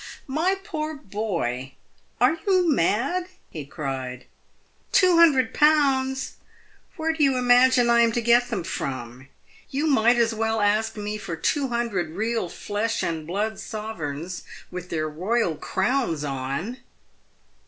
My poor boy ! are you mad ?" he cried. " 2001. ! where do you imagine I am to get them from ? Tou might as well ask me for two hundred real flesh and blood Sovereigns with their royal crowns on!"